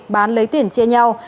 bán lấy tiền chia nhau